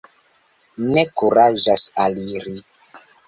Ne kuraĝas aliri.